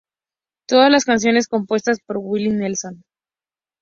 Todas las canciones compuestas por Willie Nelson.